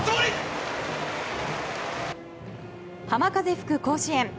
浜風吹く甲子園。